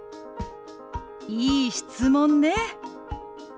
いい質問ね。